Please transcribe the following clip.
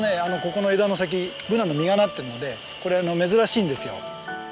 ここの枝の先ブナの実がなってるのでこれ珍しいんですよ。